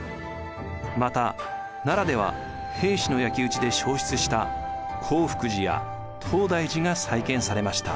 また奈良では平氏の焼き打ちで焼失した興福寺や東大寺が再建されました。